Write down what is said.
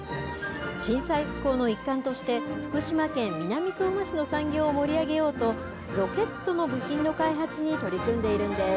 震災復興の一環として福島県南相馬市の産業を盛り上げようとロケットの部品の開発に取り組んでいるんです。